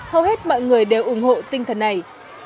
hầu hết mọi người đều ủng hộ tinh thần này